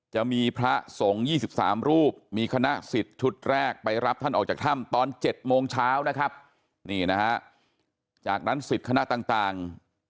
จะมีพระสงฆ์๒๓รูปมีคณะสิทธิ์ชุดแรกไปรับท่านออกจากถ้ำตอน๗โมงเช้านะครับนี่นะฮะจากนั้นสิทธิ์คณะต่าง